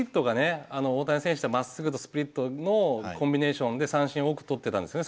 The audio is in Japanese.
大谷選手はまっすぐとスプリットのコンビネーションで三振多く取ってたんですね